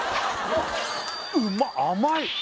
うま甘い？